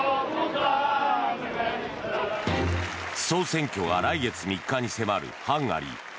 総選挙が来月３日に迫るハンガリー。